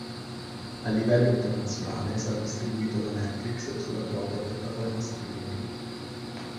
A livello internazionale sarà distribuito da Netflix sulla propria piattaforma streaming.